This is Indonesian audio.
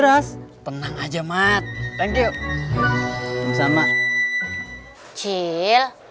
tapi kalau pas jualan ada masalah